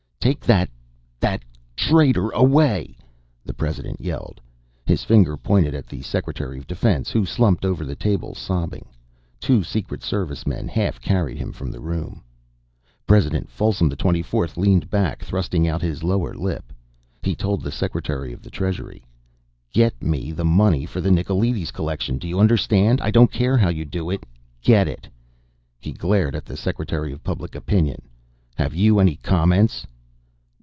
"Take that that traitor away!" the President yelled. His finger pointed at the Secretary of Defense, who slumped over the table, sobbing. Two Secret Servicemen half carried him from the room. President Folsom XXIV leaned back, thrusting out his lower lip. He told the Secretary of the Treasury: "Get me the money for the Nicolaides Collection. Do you understand? I don't care how you do it. Get it." He glared at the Secretary of Public Opinion. "Have you any comments?"